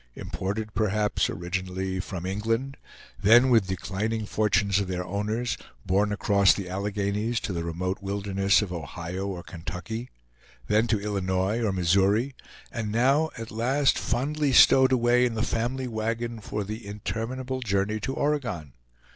Imported, perhaps, originally from England; then, with the declining fortunes of their owners, borne across the Alleghenies to the remote wilderness of Ohio or Kentucky; then to Illinois or Missouri; and now at last fondly stowed away in the family wagon for the interminable journey to Oregon.